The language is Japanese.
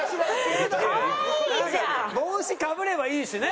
帽子かぶればいいしね？